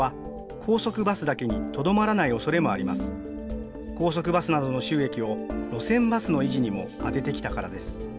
高速バスなどの収益を、路線バスの維持にも充ててきたからです。